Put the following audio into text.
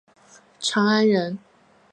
长安人。